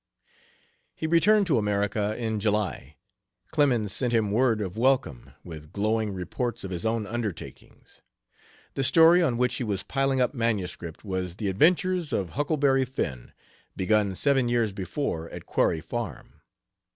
He returned to America in July. Clemens sent him word of welcome, with glowing reports of his own undertakings. The story on which he was piling up MS. was The Adventures of Huckleberry Finn, begun seven years before at Quarry Farm.